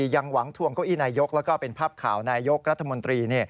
ยังหวังทวงเก้าอี้นายกแล้วก็เป็นภาพข่าวนายกรัฐมนตรี